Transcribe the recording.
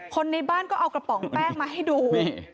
คนในบ้านก็เอากระป๋องแป้งมาให้ดู